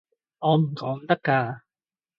我唔講得㗎